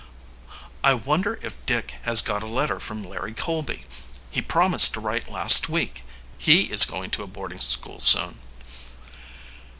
I wonder if Dick has got a letter from Larry Colby? He promised to write last week. He is going to a boarding school soon."